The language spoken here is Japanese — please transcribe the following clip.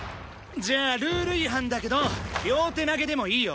じゃあルール違反だけど両手投げでもいいよ。